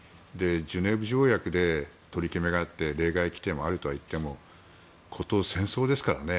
ジュネーブ条約で取り決めがあって例外規定があるといってもこと戦争ですからね。